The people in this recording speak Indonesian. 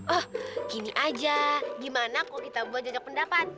oh gini aja gimana kok kita buat jajak pendapat